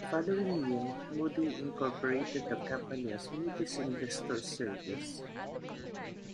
The following year, Moody incorporated the company as Moody's Investors Service.